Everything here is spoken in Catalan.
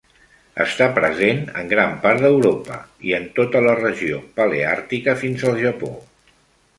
Està present en gran part d'Europa i en tota la regió paleàrtica fins al Japó.